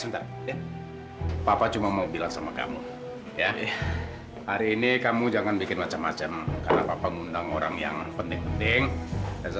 tadi papa sudah suruh kesini sekarang mana dia